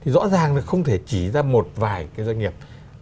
rõ ràng là không thể chỉ ra một vài cái doanh nghiệp